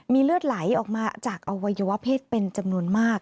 มีเลือดไหลออกมาจากอวัยวะเพศเป็นจำนวนมาก